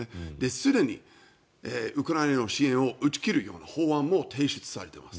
すでにウクライナの支援を打ち切るような法案も提出されています。